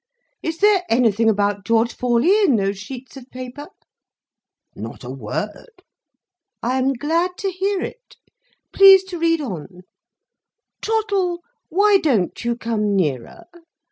Is there anything about George Forley in those sheets of paper?" "Not a word." "I am glad to hear it. Please to read on. Trottle, why don't you come nearer?